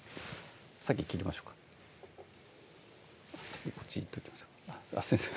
先切りましょうかこっちいっときましょうかすいません